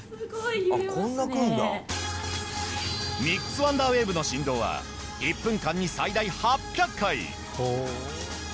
ミックスワンダーウェーブの振動は１分間に最大８００回！